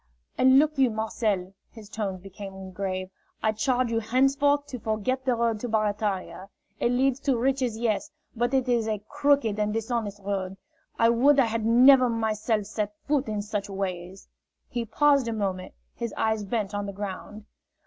"And look you, Marcel," his tones became grave, "I charge you henceforth to forget the road to Barataria. It leads to riches, yes, but it is a crooked and dishonest road. I would I had never myself set foot in such ways!" He paused a moment, his eyes bent on the ground."